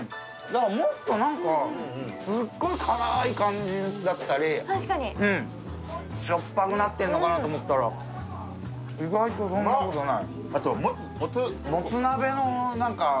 もっとすごい辛い感じだったり、しょっぱくなってるのかなと思ったら、意外とそんなことない。